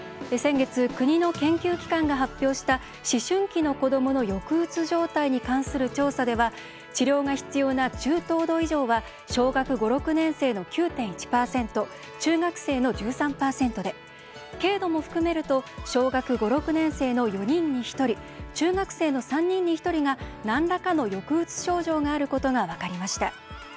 先月、国の研究機関が発表した思春期の子どもの抑うつ状態に関する調査では治療が必要な中等度以上は小学５６年生の９．１％中学生の１３％で軽度も含めると小学５６年生の４人に１人中学生の３人に１人がなんらかの抑うつ症状があることが分かりました。